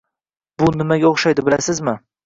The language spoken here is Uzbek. — Bu nimaga o‘xshaydi, bilasizmi?